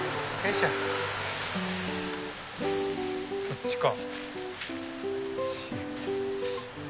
こっちか。